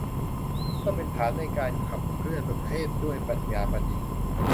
เพื่อเป็นฐานในการขับเคลื่อนประเทศด้วยปัญญาประดิษฐ์